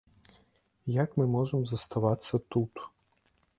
Як мы можам заставацца тут?